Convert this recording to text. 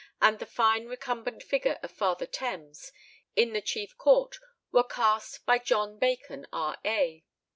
and the fine recumbent figure of Father Thames, in the chief court, were cast by John Bacon, R.A.